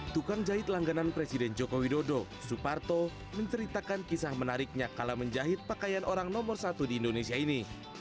tukang jahit langganan presiden joko widodo suparto menceritakan kisah menariknya kalau menjahit pakaian orang nomor satu di indonesia ini